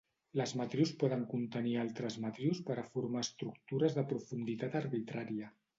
Les matrius poden contenir altres matrius per a formar estructures de profunditat arbitrària.